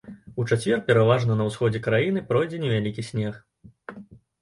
У чацвер пераважна на ўсходзе краіны пройдзе невялікі снег.